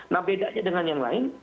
nah bedanya dengan yang lain